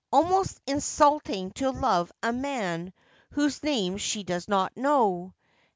' Almost insulting to love a man whose name she does not know !